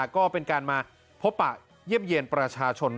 ก็เป็นการมาพบปะเยี่ยมเยี่ยนประชาชน